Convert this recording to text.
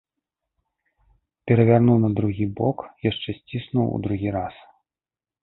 Перавярнуў на другі бок, яшчэ сціснуў у другі раз.